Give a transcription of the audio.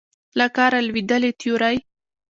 له کاره لوېدلې تیورۍ